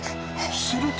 すると。